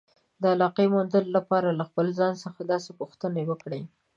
د علاقې موندلو لپاره له خپل ځان څخه داسې پوښتنې وکړئ.